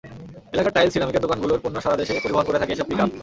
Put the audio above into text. এলাকার টাইলস-সিরামিকসের দোকানগুলোর পণ্য সারা দেশে পরিবহন করে থাকে এসব পিকআপ।